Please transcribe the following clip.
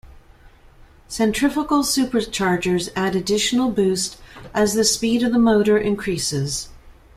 Centrifugal superchargers add additional boost as the speed of the motor increases.